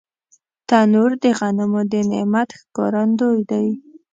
تنور د غنمو د نعمت ښکارندوی دی